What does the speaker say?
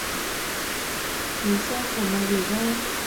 thế xe của mày để đâu